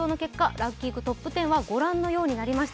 ランキングトップ１０はご覧のようになりました。